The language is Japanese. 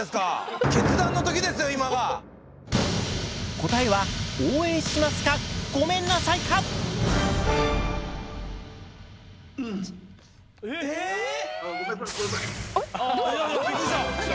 答えは「応援します」か「ごめんなさい」か⁉え⁉びっくりした。